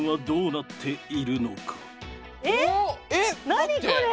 何これ！